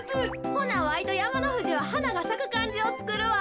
ほなわいとやまのふじははながさくかんじをつくるわ。